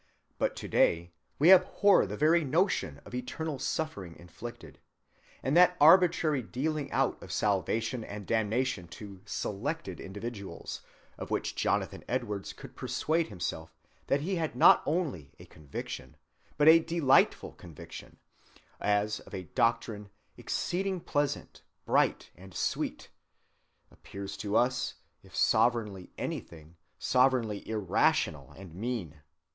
But to‐day we abhor the very notion of eternal suffering inflicted; and that arbitrary dealing‐out of salvation and damnation to selected individuals, of which Jonathan Edwards could persuade himself that he had not only a conviction, but a "delightful conviction," as of a doctrine "exceeding pleasant, bright, and sweet," appears to us, if sovereignly anything, sovereignly irrational and mean.